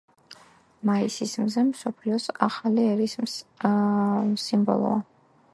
მაისის მზე მსოფლიოს ახალი ერის სიმბოლოა.